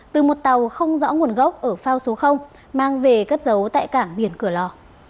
từ một tàu không rõ nguồn gốc ở phao số mang về cất giấu tại cảng biển cửa lò